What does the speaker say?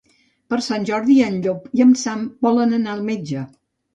Per Sant Jordi en Llop i en Sam volen anar al metge.